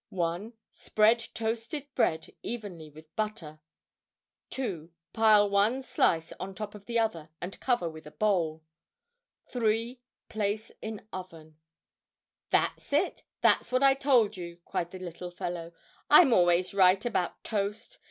1. Spread toasted bread evenly with butter. 2. Pile one slice on top of the other, and cover with a bowl. 3. Place in oven. "That's it! that's what I told you," cried the little fellow. "I'm always right about toast.